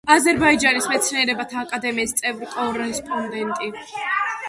აზერბაიჯანის მეცნიერებათა აკადემიის წევრ-კორესპონდენტი.